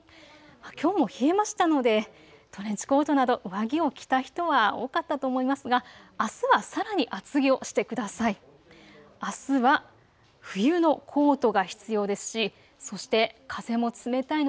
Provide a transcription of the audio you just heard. きょうも冷えましたのでトレンチコートなど上着を着た人は多かったと思いますがあすはさらに厚着をしてください。